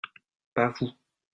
Pas vous.